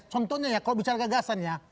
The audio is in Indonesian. contohnya ya kalau bicara gagasan ya